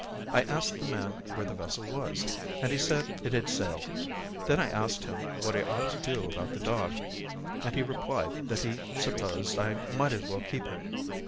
I asked the man where the vessel was, and he said it had sailed. Then I asked him what I ought to do about the dog, and he replied that he supposed I might as well keep him.